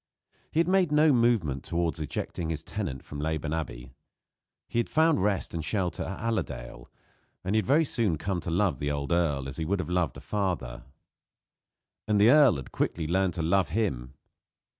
He had made no movement towards ejecting his tenant from Leyburn Abbey. He had found rest and shelter at Allerdale, and had very soon come to love the old earl as he would have loved a father. And the earl had quickly learned to love him.